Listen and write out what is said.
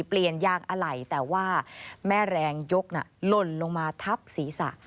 เปลี่ยนยางอะไหล่แต่ว่าแม่แรงยกหล่นลงมาทับศีรษะ